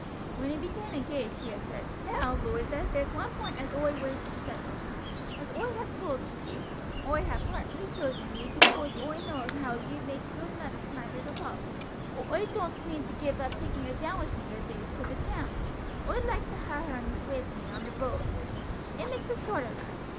When he became engaged he had said: "Now, Loiza, there's one point as oi wish settled. As oi have told ye, oi ha' partly chosen ye becos oi knowed as how ye would maake a good mother to my little Polly; but oi doan't mean to give up taking her down with me o' days to the town. Oi likes to ha' her wi' me on the roade it makes it shorter like.